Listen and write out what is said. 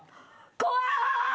怖い！